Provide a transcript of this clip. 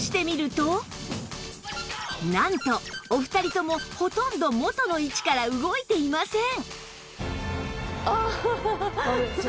なんとお二人ともほとんど元の位置から動いていません